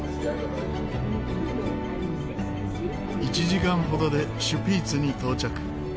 １時間ほどでシュピーツに到着。